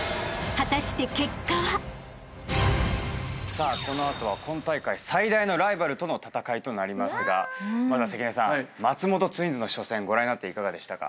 さあこの後は今大会最大のライバルとの戦いとなりますがまずは関根さん松本ツインズの初戦ご覧になっていかがでしたか？